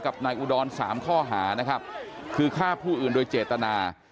นายอุดรสามข้อหานะครับคือฆ่าผู้อื่นโดยเจตนา